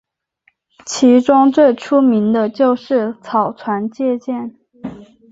其中最出名的就是草船借箭。